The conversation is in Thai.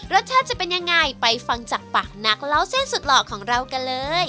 จะเป็นยังไงไปฟังจากปากนักเล่าเส้นสุดหล่อของเรากันเลย